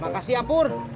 makasih ya pur